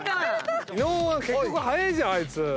伊野尾は速えじゃんあいつ。